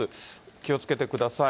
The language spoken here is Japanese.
気をつけてください。